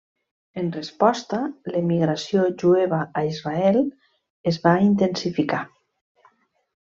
En resposta, l'emigració jueva a Israel es va intensificar.